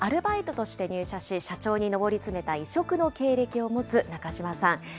最初はアルバイトとして入社し、社長に上り詰めた異色の経歴を持つ中島さん。